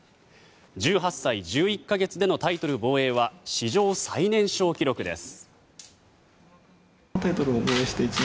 １８歳１１か月でのタイトル防衛は史上最年少記録です。